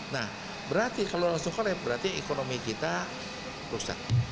nah berarti kalau langsung kolek berarti ekonomi kita rusak